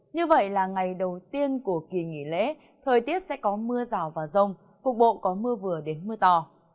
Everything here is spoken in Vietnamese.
như vậy là ngày đầu tiên của kỳ nghỉ lễ thời tiết sẽ có mưa rào và rông cục bộ có mưa vừa đến mưa to